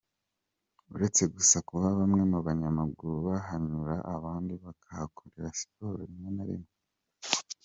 Uretse gusa kuba bamwe mu banyamaguru bahanyura abandi bakahakorera siporo rimwe na rimwe.